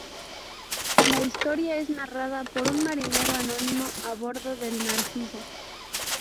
La historia es narrada por un marinero anónimo a bordo del 'Narciso'.